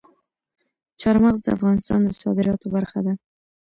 چار مغز د افغانستان د صادراتو برخه ده.